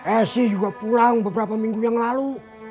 eh sih juga pulang beberapa minggu yang lalu